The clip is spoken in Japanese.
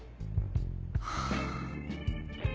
ハァ。